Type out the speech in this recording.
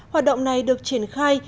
hoạt động này được triển khai